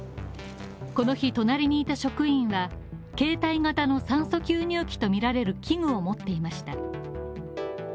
この日隣にいた職員は、携帯型の酸素吸入器とみられる器具を持っていました。